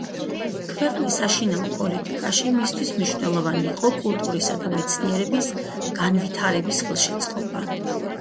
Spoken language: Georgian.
ქვეყნის საშინაო პოლიტიკაში მისთვის მნიშვნელოვანი იყო კულტურისა და მეცნიერების განვითარების ხელშეწყობა.